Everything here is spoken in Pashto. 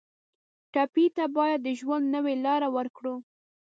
ټپي ته باید د ژوند نوې لاره ورکړو.